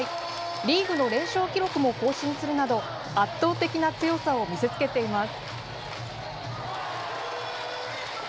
リーグの連勝記録を更新するなど圧倒的な強さを見せつけています。